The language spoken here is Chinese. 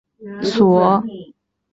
所以该译名并不准确。